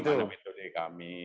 bagaimana metode kami